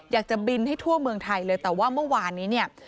อยากจะบินให้ทั่วเมืองไทยเลยแต่ว่าเมื่อวานนี้เนี่ย